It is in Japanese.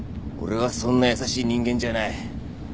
俺はそんな優しい人間じゃない。